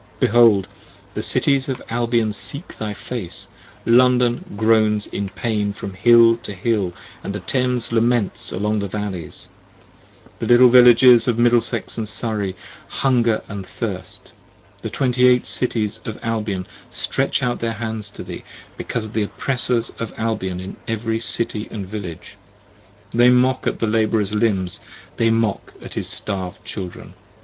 Behold! The Cities of Albion seek thy face, London groans in pain From Hill to Hill & the Thames laments along the Valleys: 25 The little Villages of Middlesex & Surrey hunger & thirst: The Twenty eight Cities of Albion stretch their hands to thee, Because of the Opressors of Albion in every City & Village: They mock at the Labourer's limbs! they mock at his starv'd Children.